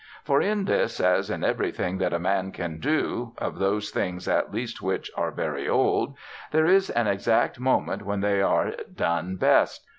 For in this, as in everything that a man can do of those things at least which are very old there is an exact moment when they are done best.